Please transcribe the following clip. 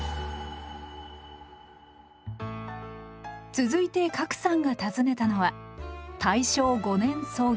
続いて加来さんが訪ねたのは大正５年創業